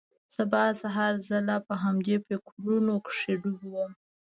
سبا سهار زه لا په همدې فکرونو کښې ډوب وم.